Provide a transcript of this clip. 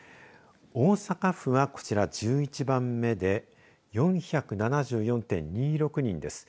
大阪府は、こちら１１番目で４７４．２６人です。